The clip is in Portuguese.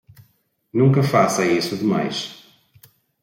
Nunca faça isso demais.